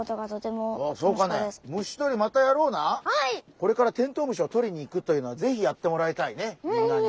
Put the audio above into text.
これからテントウムシをとりにいくというのはぜひやってもらいたいねみんなに。